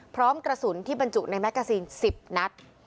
พร้อมกระสุนที่บรรจุในแกซีน๑๐นัด